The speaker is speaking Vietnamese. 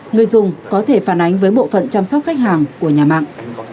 người dùng có thể phản ánh với bộ phận chăm sóc khách hàng của nhà mạng